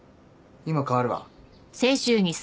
今代わるわ。